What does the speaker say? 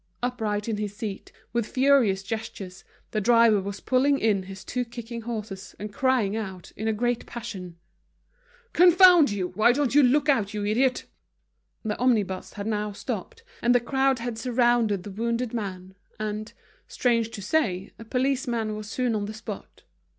Upright on his seat, with furious gestures, the driver was pulling in his two kicking horses, and crying out, in a great passion: "Confound you! Why don't you look out, you idiot!" The omnibus had now stopped, and the crowd had surrounded the wounded man, and, strange to say, a policeman was soon on the spot.